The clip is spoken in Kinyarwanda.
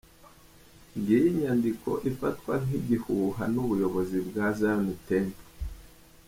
Ngiyi inyandiko ifatwa nk’igihuha n’ubuyobozi bwa Zion Temple